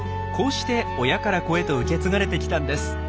こうして親から子へと受け継がれてきたんです。